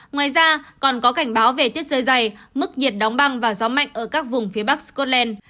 ngoài ra còn có cảnh báo về tiết trời dày mức nhiệt đóng băng và gió mạnh ở các vùng phía bắc scotland